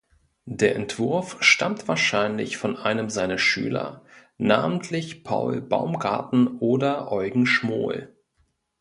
Der Entwurf stammt wahrscheinlich von einem seiner Schüler, namentlich Paul Baumgarten oder Eugen Schmohl.